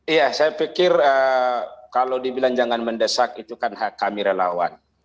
iya saya pikir kalau dibilang jangan mendesak itu kan hak kami relawan